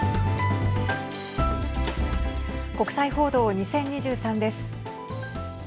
国際報道２０２３です。